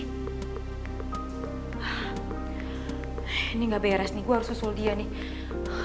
ini gak beres nih gue harus susul dia nih